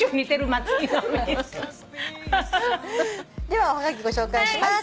ではおはがきご紹介します。